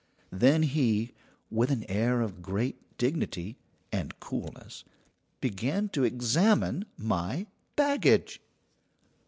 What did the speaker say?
Then he, with an air of great dignity and coolness, began to examine my baggage.